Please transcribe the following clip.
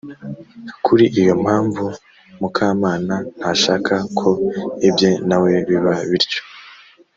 kuri iyo mpamvu mukamana ntashaka ko ibye nawe biba bityo.